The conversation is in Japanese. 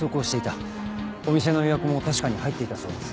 お店の予約も確かに入っていたそうです。